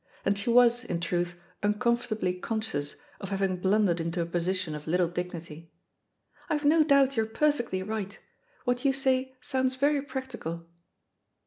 And she was, in truth, uncomf ort* ahly conscious of having blundered into a posi tion of little dignity. "IVe no doubt you're per fectly right; what you say sounds very practical.